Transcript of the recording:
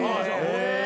へぇ。